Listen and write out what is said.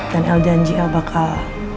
dan el janji el bakal